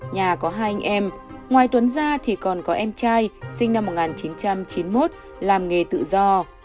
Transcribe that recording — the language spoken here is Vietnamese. nhà có hai anh em ngoài tuấn ra thì còn có em trai sinh năm một nghìn chín trăm chín mươi một làm nghề tự do